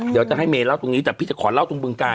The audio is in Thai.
เดี๋ยวจะให้เมย์เล่าตรงนี้แต่พี่จะขอเล่าตรงบึงกาล